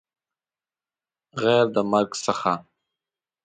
غیر د مرګ څخه